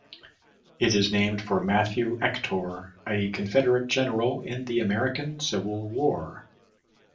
It is named for Mathew Ector, a Confederate general in the American Civil War.